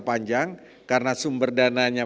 panjang karena sumber dananya